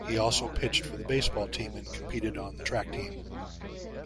He also pitched for the baseball team and competed on the track team.